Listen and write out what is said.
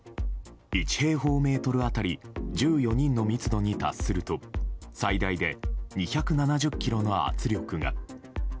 １平方メートル当たり１４人の密度に達すると最大で２７０キロの圧力が。